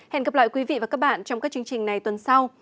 hẹn gặp lại quý vị và các bạn trong các chương trình này tuần sau